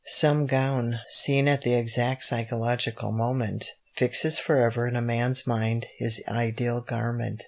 Some gown, seen at the exact psychological moment, fixes forever in a man's mind his ideal garment.